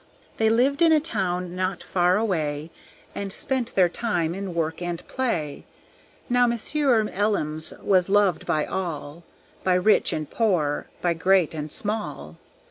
They lived in a town not far away, And spent their time in work and play. Now Monsieur Elims was loved by all By rich and poor, by great and small.